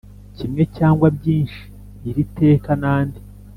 kimwe cyangwa byinshi iri teka n andi